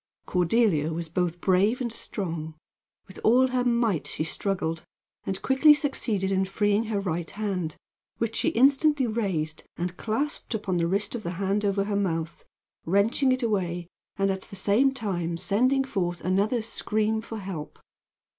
Cordelia was both brave and strong. With all her might she struggled, and quickly succeeded in freeing her right hand, which she instantly raised and clasped upon the wrist of the hand over her mouth, wrenching it away and at the same time sending forth another scream for help.